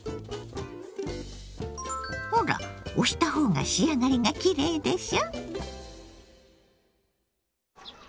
ほら押した方が仕上がりがきれいでしょ！